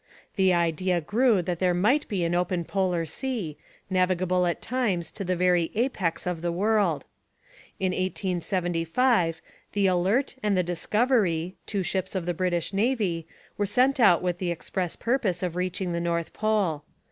The idea grew that there might be an open polar sea, navigable at times to the very apex of the world. In 1875 the Alert and the Discovery, two ships of the British Navy, were sent out with the express purpose of reaching the North Pole.